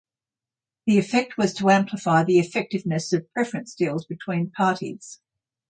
The effect was to amplify the effectiveness of preference deals between parties.